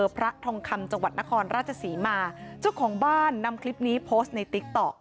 พระทองคำจังหวัดนครราชศรีมาเจ้าของบ้านนำคลิปนี้โพสต์ในติ๊กต๊อก